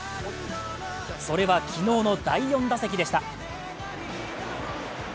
それは昨日の第４打席でした。